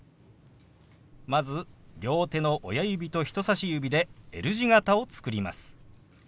まず両手の親指と人さし指でＬ字形を作ります。